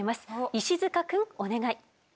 石塚くんお願い。